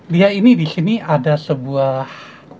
dia ini disini ada sebuah